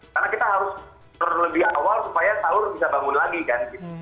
karena kita harus lebih awal supaya saur bisa bangun lagi kan